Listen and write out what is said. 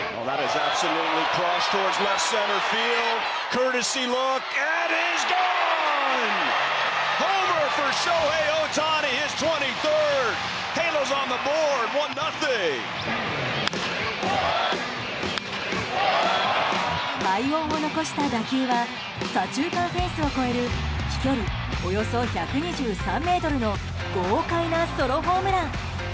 快音を残した打球は左中間フェンスを越える飛距離およそ１２３ｍの豪快なソロホームラン。